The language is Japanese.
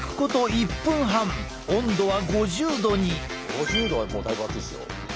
５０℃はもうだいぶ熱いっすよ。